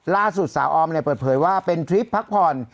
ล่าสุดสาวออมเปิดเผยว่าเป็นทริปพักผ่อน